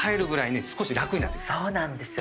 そうなんですよ